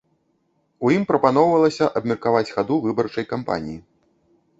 У ім прапаноўвалася абмеркаваць хаду выбарчай кампаніі.